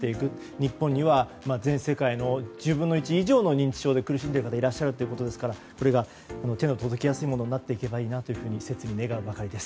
日本には全世界の１０分の１以上認知症で苦しんでいる方がいらっしゃるということですからこれが手の届きやすいものになっていけばいいなと切に願うばかりです。